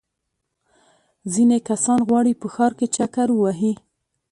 ځینې کسان غواړي په ښار کې چکر ووهي.